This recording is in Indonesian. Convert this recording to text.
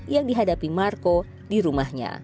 yang dihadapi marco di rumahnya